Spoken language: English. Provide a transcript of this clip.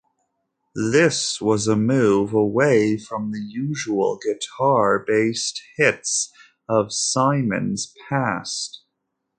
This was a move away from the usual guitar-based hits of Simon's past.